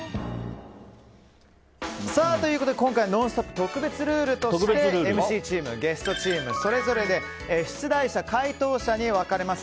ということで今回「ノンストップ！」特別ルールとしてＭＣチーム、ゲストチームそれぞれで出題者、解答者に分かれます。